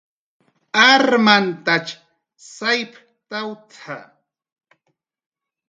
"Armantach sayptawt""a"